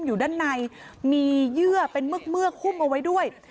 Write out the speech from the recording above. อยู่ด้านในมีเยื่อเป็นเมือกหุ้มเอาไว้ด้วย